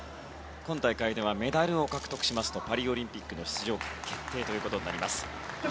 今大会ではメダルを獲得しますとパリオリンピックの出場権決定となります。